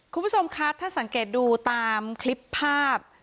คุณผู้ชมคะถ้าสังเกตดูตามคลิปภาพ